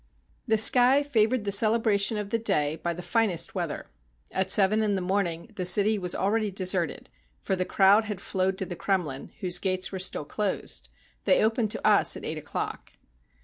] The sky favored the celebration of the day by the finest weather. At seven in the morning the city was already deserted, for the crowd had flowed to the Kremlin, whose gates were still closed ; they opened to us at eight o'clock.